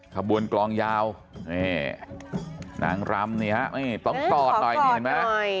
ขบวนกลองยาวนี่นางรำนี่ฮะนี่ต้องกอดหน่อยนี่เห็นไหม